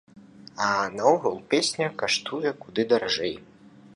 А наогул, песня каштуе куды даражэй.